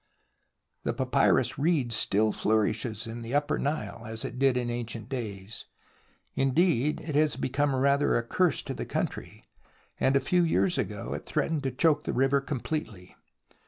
The papyrus reed still flourishes in the Upper Nile as it did in ancient days. Indeed it has become rather a curse to the country, and a few years ago it threatened to choke the river completely.